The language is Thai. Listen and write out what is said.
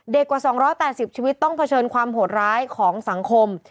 กว่า๒๘๐ชีวิตต้องเผชิญความโหดร้ายของสังคม